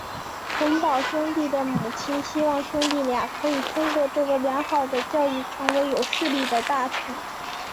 洪堡兄弟的母亲希望兄弟俩可以通过这个良好的教育成为有势力的大臣。